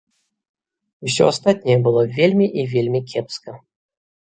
Усё астатняе было вельмі і вельмі кепска.